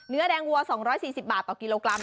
เนื้อแดงวัว๒๔๐บาทต่อกิโลกรัม